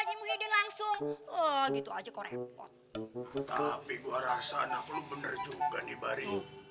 haji muhyiddin langsung gitu aja korepot tapi gua rasa anak lu bener juga nih bari